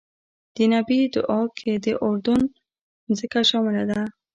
د نبی دعا کې د اردن ځمکه شامله ده.